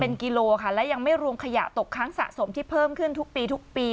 เป็นกิโลค่ะและยังไม่รวมขยะตกค้างสะสมที่เพิ่มขึ้นทุกปีทุกปี